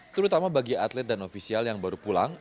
terutama bagi atlet dan ofisial yang baru pulang